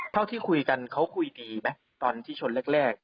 เท่าที่คุยกันเขาคุยดีไหมตอนที่ชนแรก